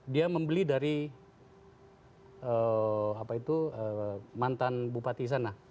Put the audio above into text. dia membeli dari mantan bupati sana